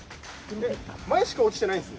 前しか落ちてないんです。